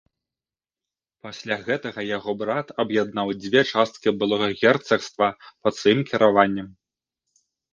Пасля гэтага яго брат аб'яднаў дзве часткі былога герцагства пад сваім кіраваннем.